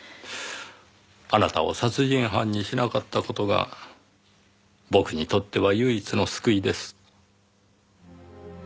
あなたを殺人犯にしなかった事が僕にとっては唯一の救いです。